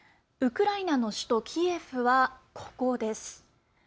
ウクライナの首都キエフはここです。